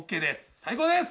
最高です！